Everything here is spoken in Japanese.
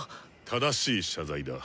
正しい謝罪だ。